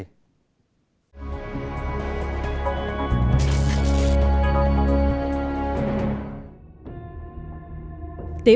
tiếng nói việt nam